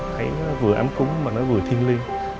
thấy nó vừa ám cúng mà nó vừa thiêng liêng